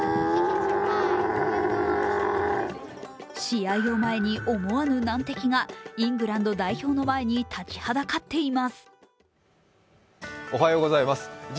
試合を前に思わぬ難敵がイングランド代表の前に立ちはだかっています。